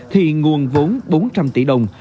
thì nguồn vốn bốn trăm linh tỷ đồng